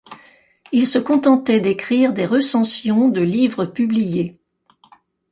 Il se contentait d'écrire des recensions de livres publiés.